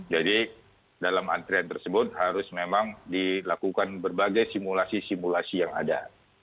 jadi dalam antrian tersebut harus memang dilakukan berbagai simulasi simulasi yang ada